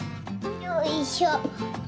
よいしょ！